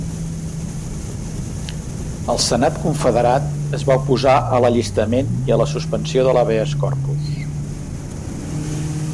Al Senat Confederat, es va oposar a l'allistament i a la suspensió de l'habeas corpus.